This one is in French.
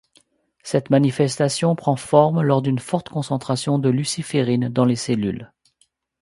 Cette manifestation prend forme lors d’une forte concentration de luciférine dans les cellules.